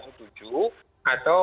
tapi kita tidak tahu